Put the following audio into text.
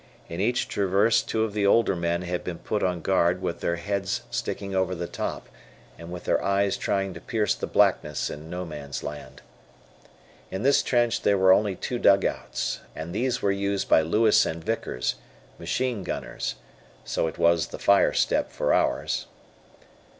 In each traverse two of the older men had been put on guard with their heads sticking over the top, and with their eyes trying to pierce the blackness in "No Man's Land." In this trench there were only two dugouts, and these were used by Lewis and Vickers, machine gunners, so it was the fire step for ours.